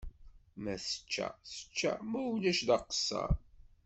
Ma tečča, tečča, ma ulac d aqeṣṣer.